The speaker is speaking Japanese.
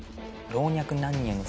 「老若男女に」